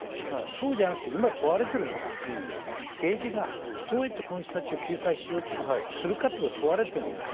そうじゃなくて今、問われているのは政治家、どうやってこの人たちを救済しようかということが問われている。